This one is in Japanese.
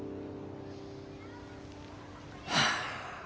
はあ。